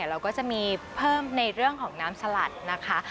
เราก็จะมีเพิ่มในเรื่องของน้ำสลัดนะคะ